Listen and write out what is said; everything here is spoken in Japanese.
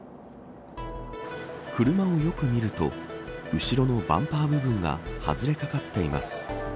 車をよく見ると後ろのバンパー部分が外れかかっています。